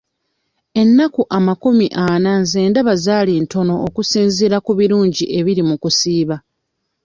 Ennaku amakumi ana nze ndaba zaali ntono okusinziira ku birungi ebiri mu kusiiba.